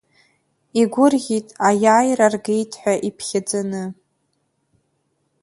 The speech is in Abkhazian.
Игәырӷьеит, аиааира ргеит ҳәа иԥхьаӡаны.